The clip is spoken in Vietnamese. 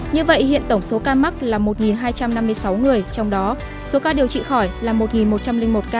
như vậy hiện tổng số ca mắc là một hai trăm năm mươi sáu người trong đó số ca điều trị khỏi là một một trăm linh một ca